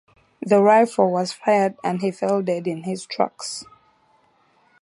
The rifle was fired and he fell dead in his tracks.